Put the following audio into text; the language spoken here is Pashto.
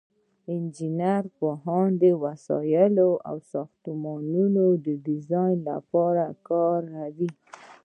انجینر پوهه د وسایلو او ساختمانونو د ډیزاین لپاره کاروي.